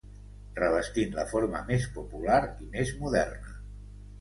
Revestint la forma més popular i més moderna.